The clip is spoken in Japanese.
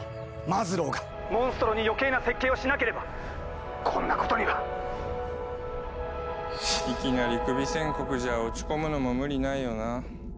マズローがモンストロに余計な設計をしなければこんなことには！いきなりクビ宣告じゃ落ち込むのも無理ないよな。